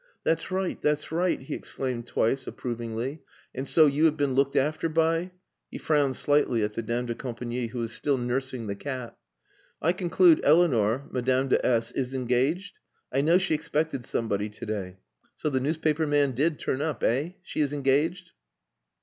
"That's right, that's right!" he exclaimed twice, approvingly. "And so you have been looked after by...." He frowned slightly at the dame de compagnie, who was still nursing the cat. "I conclude Eleanor Madame de S is engaged. I know she expected somebody to day. So the newspaper man did turn up, eh? She is engaged?"